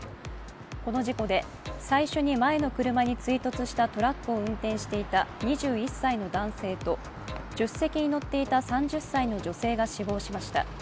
この事故で最初に前の車に追突したトラックを運転していた２１歳の男性と助手席に乗っていた３０歳の女性が死亡しました。